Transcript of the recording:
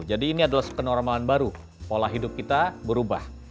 jadi ini adalah kenormalan baru pola hidup kita berubah